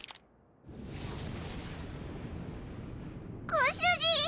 ご主人！